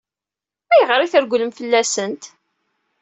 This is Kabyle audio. Ayɣer i tregglemt fell-asent?